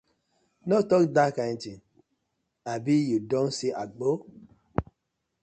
No tok dat kind tin, abi yu don see Agbor?